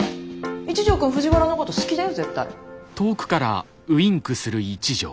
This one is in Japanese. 一条くん藤原のこと好きだよ絶対。